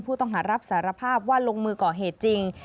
ผู้ต้องหารับสารภาพว่าลงมือก่อเหตุจริง